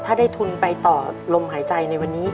ถ้าได้ทุนไปต่อลมหายใจในวันนี้